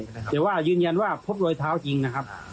และก็คือว่าถึงแม้วันนี้จะพบรอยเท้าเสียแป้งจริงไหม